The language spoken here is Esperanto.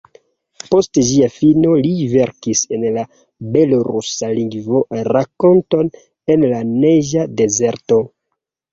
Post ĝia fino li verkis en la belorusa lingvo rakonton ""En la neĝa dezerto"".